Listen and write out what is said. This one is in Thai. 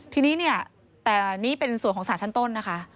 ทีนี้เนี่ยแต่นี่เป็นส่วนของสารชั้นต้นนะคะ